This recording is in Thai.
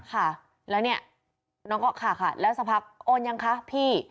ค่ะแล้วเนี่ยน้องก็ค่ะแล้วสักพักโอนยังคะพี่